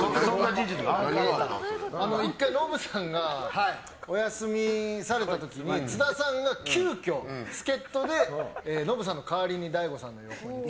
１回ノブさんがお休みされた時に津田さんが急きょ、助っ人でノブさんの代わりに来て。